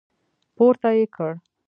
پورته يې کړ.